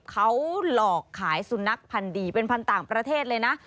เขาหลอกขายสุนัขพันธ์ดีเป็นพันธุ์ต่างประเทศเลยนะ